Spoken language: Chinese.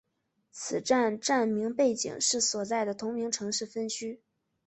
此站站名背景是所在的同名城市分区。